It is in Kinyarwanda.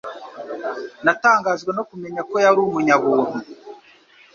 Natangajwe no kumenya ko yari umunyabuntu.